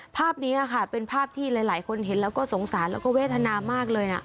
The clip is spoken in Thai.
ภาพนี้ค่ะเป็นภาพที่หลายคนเห็นแล้วก็สงสารแล้วก็เวทนามากเลยนะ